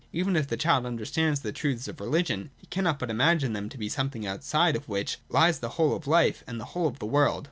Even if the child understands the truths of religion, he cannot but imagine them to be something outside of which Hes the whole of Ufe and the whole of the world.